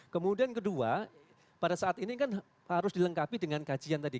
kemudian kedua pada saat ini kan harus dilengkapi dengan kajian tadi